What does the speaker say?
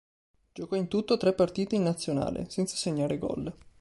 Giocò in tutto tre partite in nazionale, senza segnare gol.